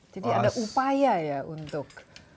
jadi ada upaya ya untuk